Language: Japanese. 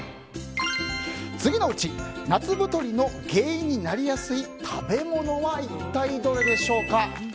次のうち夏太りの原因になりやすい食べ物は一体どれでしょうか。